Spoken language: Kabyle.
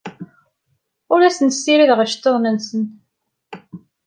Ur asen-ssirideɣ iceḍḍiḍen-nsen.